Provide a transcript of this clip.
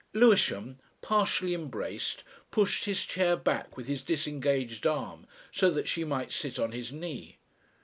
Lewisham, partially embraced, pushed his chair back with his disengaged arm, so that she might sit on his knee....